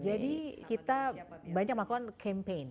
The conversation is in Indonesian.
jadi kita banyak melakukan campaign